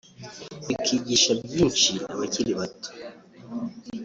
bikigisha byinshi abakiri bato